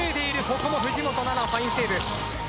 ここも藤本那菜ファインセーブ。